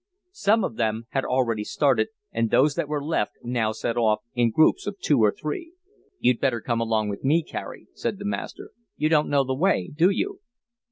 Some of them had already started and those that were left now set off, in groups of two or three. "You'd better come along with me, Carey," said the master "You don't know the way, do you?"